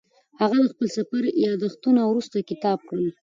هغه د خپل سفر یادښتونه وروسته کتاب کړل.